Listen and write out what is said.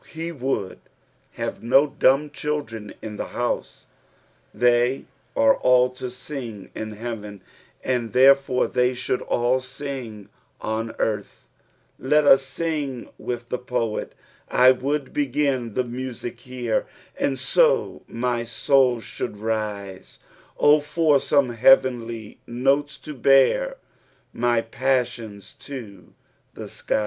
He would have no dumb children in the house. They are all to sing in heaven, and therefore they should all sing on earth. Let OS dng with the poet :—" I would beein tlie mn^lc here. And so niy wiul shonlil rise ; Oh for some heavenly notes tu bear H J pswloDS to the Bkli:«.'